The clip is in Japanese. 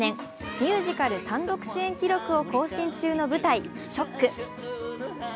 ミュージカル単独主演記録を更新中の舞台「ＳＨＯＣＫ」。